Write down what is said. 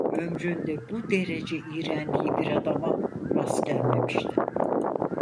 Ömründe bu derece iğrendiği bir adama rast gelmemişti.